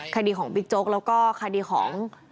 คดีของบิ๊กโจ๊กแล้วก็คดีของ